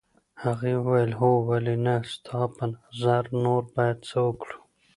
هغې وویل هو ولې نه ستا په نظر نور باید څه وکړو.